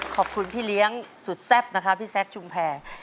ขอบคุณพี่เลี้ยงสุดแซ่บนะคะพี่แซคชุมแพร